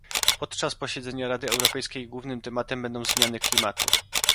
Podczas posiedzenia Rady Europejskiej głównym tematem będą zmiany klimatu